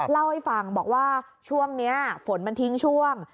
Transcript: เล่าให้ฟังบอกว่าช่วงนี้ฝนมันทิ้งช่วง